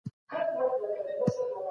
ويل کيږي چي د جګړي پیل د پرمختګ مخه ونیوله.